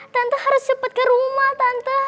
tante harus cepat ke rumah tante